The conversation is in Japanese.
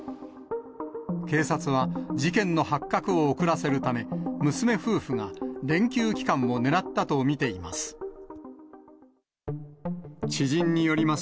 警察は、事件の発覚を遅らせるため、娘夫婦が連休期間を狙ったと見ています。